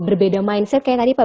berbeda mindset kayak tadi pak